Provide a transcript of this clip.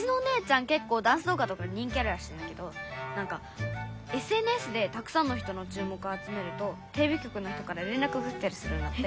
けっこうダンスどう画とかで人気あるらしいんだけどなんかＳＮＳでたくさんの人のちゅう目あつめるとテレビきょくの人かられんらくが来たりするんだって。